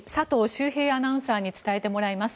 修平アナウンサーに伝えてもらいます。